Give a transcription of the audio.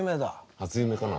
初夢かな？